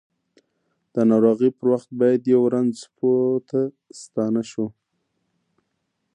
د ناروغۍ پر وخت باید یؤ رنځ پوه ته ستانه شوو!